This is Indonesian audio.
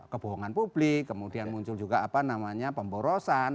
kebohongan publik kemudian muncul juga apa namanya pemborosan